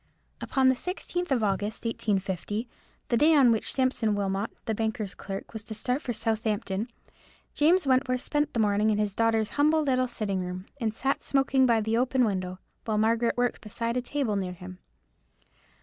Upon the 16th of August, 1850, the day on which Sampson Wilmot, the banker's clerk, was to start for Southampton, James Wentworth spent the morning in his daughter's humble little sitting room, and sat smoking by the open window, while Margaret worked beside a table near him.